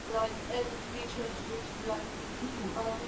ყოველთვის, ყველაფერში როგორ უნდა გჯობნიდეს?